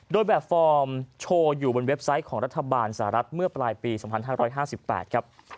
โดยแบบฟอร์มโชว์อยู่บนเว็บไซต์ของรัฐบาลสหรัฐเมื่อปลายปี๒๕๕๘ครับ